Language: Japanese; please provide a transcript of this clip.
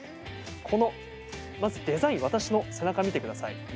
このデザイン私の背中、見てください。